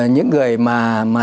những người mà